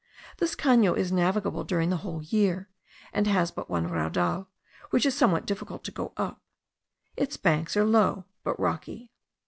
This Cano is navigable during the whole year, and has but one raudal, which is somewhat difficult to go up; its banks are low, but rocky.